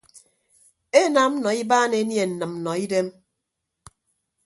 Enam nọ ibaan enie nnịmnnọidem.